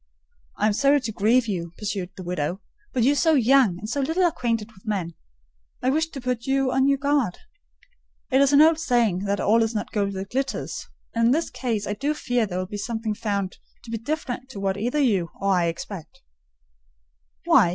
"I am sorry to grieve you," pursued the widow; "but you are so young, and so little acquainted with men, I wished to put you on your guard. It is an old saying that 'all is not gold that glitters;' and in this case I do fear there will be something found to be different to what either you or I expect." "Why?